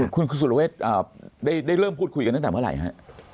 คุณสุรเวทได้เริ่มพูดคุยกันตั้งแต่เมื่อไหร่ฮะ